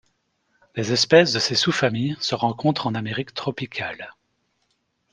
Les espèces de cette sous-famille se rencontrent en Amérique tropicale.